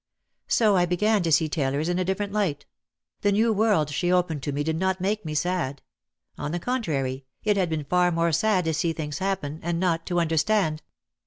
So I began to see tailors in a different light. The new world she opened to me did not make me sad. On the contrary, it had been far more sad to see things happen and not to understand.